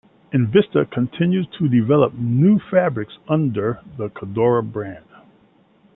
Invista continues to develop new fabrics under the Cordura brand.